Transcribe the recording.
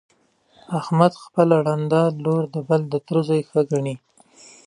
احمد خپله ړنده لور د بل تر زوی ښه ګڼي.